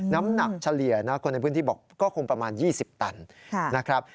น้ำหนักเฉลี่ยนะคนในพื้นที่บอกก็คงประมาณ๒๐ตันนะครับ